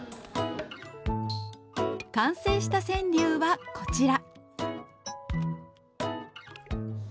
完成した川柳はこちら。